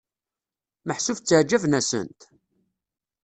Meḥsub tteɛǧaben-asent?